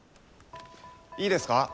いいですか？